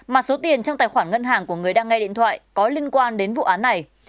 mà số tiền trong tài khoản ngân hàng của người đang nghe điện thoại có liên quan đến vụ án này